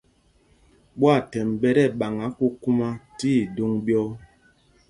Ɓwâthɛmb ɓɛ tí ɛɓaŋǎ kūkūmā tí idōŋ ɓyɔ̄ɔ̄.